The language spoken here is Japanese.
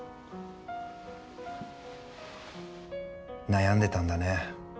悩んでたんだね。